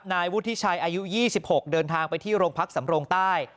นายวุฒิชัยอายุ๒๖เดินทางไปที่โรงพักสำรงใต้